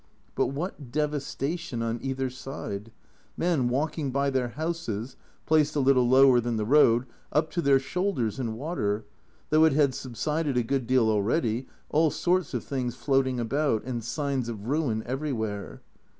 But what devastation on either side ! Men walking by their houses (placed a little lower than the road) up to their shoulders in water, though it had subsided a good deal already, all sorts of things floating about, and signs of ruin everywhere.